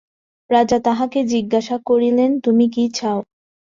রাজা তাহাকে জিজ্ঞাসা করিলেন, তুমি কী চাও?